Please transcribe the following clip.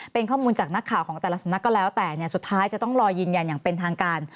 เป็นข้อมูลจากนักข่าวของแต่ละสำนักก็แล้วแต่สุดท้ายจะต้องรอยืนยันอย่างเป็นทางการ